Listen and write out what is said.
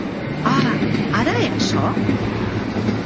A!, ara hè açò?